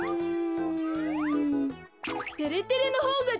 うん。